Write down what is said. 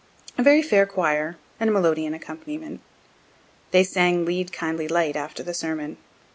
A very fair choir, and melodeon accompaniment. They sang "Lead, kindly light," after the sermon.